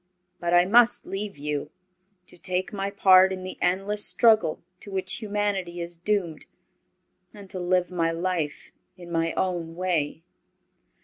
But I must leave you, to take my part in the endless struggle to which humanity is doomed, and to live my life in my own way."